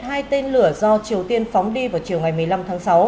hai tên lửa do triều tiên phóng đi vào chiều ngày một mươi năm tháng sáu